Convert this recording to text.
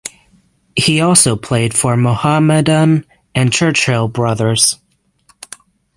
He also played for Mohammedan and Churchill Brothers.